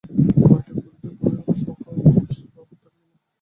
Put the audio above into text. এ মঠে পুরুষদের কোনরূপ সংস্রব থাকবে না।